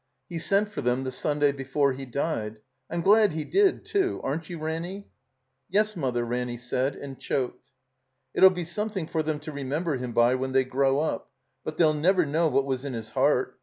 'E sent foir them the Sunday before he died. I'm glad he did, too. Aren't you, Ranny?" 338 THE COMBINED MAZE "Yes, Mother," Ranny said, and choked. "It 'U be something for them to remember him by when they grow up. But they'll never know what was in his heart.